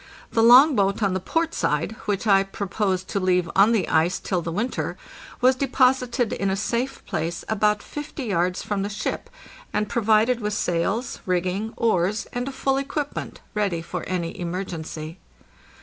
The long boat on the port side, which I proposed to leave on the ice till the winter, was deposited in a safe place about 50 yards from the ship, and provided with sails, rigging, oars, and a full equip ment, ready for any emergency.